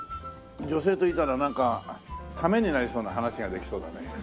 女性といたらなんかためになりそうな話ができそうだね。